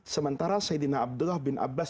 sementara saidina abdullah bin abbas